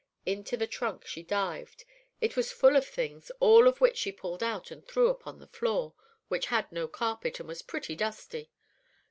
Into the trunk she dived. It was full of things, all of which she pulled out and threw upon the floor, which had no carpet, and was pretty dusty.